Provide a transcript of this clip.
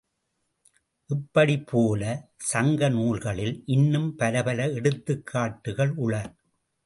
இப்படிப் போல, சங்க நூல்களில் இன்னும் பலப்பல எடுத்துக் காட்டுகள் உள.